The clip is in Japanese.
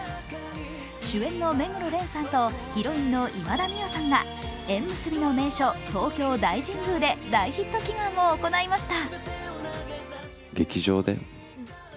主演の目黒蓮さんとヒロインの今田美桜さんが縁結びの名所、東京大神宮で大ヒット祈願を行いました。